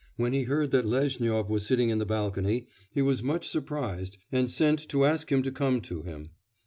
When he heard that Lezhnyov was sitting in the balcony, he was much surprised, and sent to ask him to come to him.